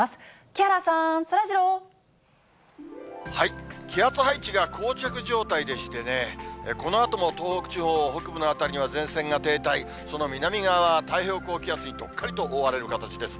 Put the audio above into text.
木原さん、気圧配置がこう着状態でしてね、このあとも東北地方、北部の辺りには前線が停滞、その南側は太平洋高気圧にどっかりと覆われる形です。